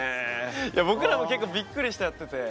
僕らも結構びっくりしちゃってて。